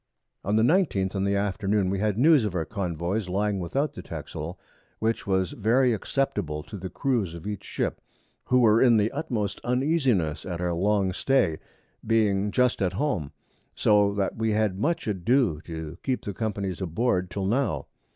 On the 19th in the Afternoon, we had News of our Convoys lying without the Texel, which was very acceptable to the Crews of each Ship, who were in the utmost Uneasiness at our long Stay, being just at Home, so that we had much ado to keep the Companies aboard till now.